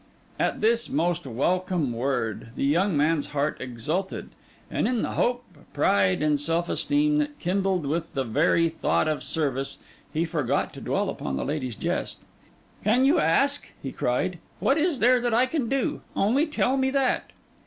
At this most welcome word, the young man's heart exulted; and in the hope, pride, and self esteem that kindled with the very thought of service, he forgot to dwell upon the lady's jest. 'Can you ask?' he cried. 'What is there that I can do? Only tell me that.